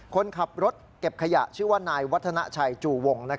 คนขับรถเก็บขยะชื่อว่านายวัฒนาชัยจูวง